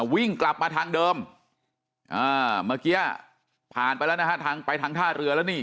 วิ่งกลับมาทางเดิมเมื่อกี้ผ่านไปแล้วนะฮะทางไปทางท่าเรือแล้วนี่